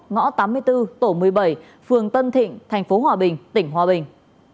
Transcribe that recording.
ngõ tám mươi bốn tổ một mươi bảy phường tân thịnh thành phố hòa bình tỉnh hòa bình